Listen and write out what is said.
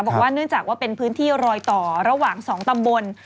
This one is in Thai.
เนื่องจากว่าเป็นพื้นที่รอยต่อระหว่าง๒ตำบล